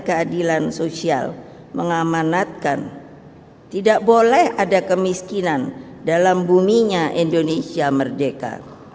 keadilan sosial mengamanatkan tidak boleh ada kemiskinan dalam buminya indonesia merdeka